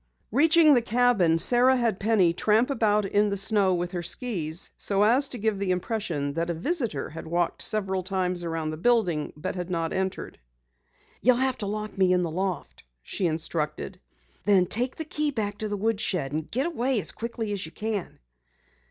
Reaching the cabin, Sara had Penny tramp about in the snow with her skis so as to give the impression that a visitor had walked several times around the building but had not entered. "You'll have to lock me in the loft," she instructed. "Then take the key back to the woodshed and get away as quickly as you can."